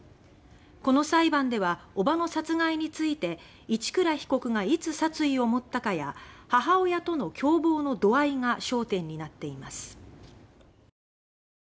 この裁判では伯母の殺害について一倉被告がいつ殺意を持ったかや母親との共謀の度合いが焦点になっています。